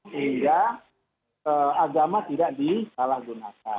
sehingga agama tidak disalahgunakan